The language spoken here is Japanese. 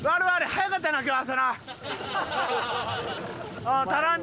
早かったな今日朝な。